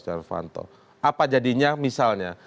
secara fanto apa jadinya misalnya